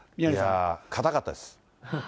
いやぁ、硬かったです。